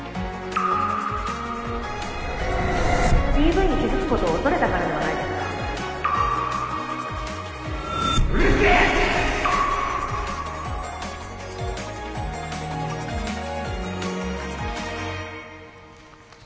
ＤＶに気づくことを恐れたからではないでうるせぇッ！！